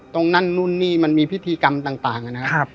ตรงนั้นนู่นนี่มันมีพิธีกรรมต่างอะนะครับ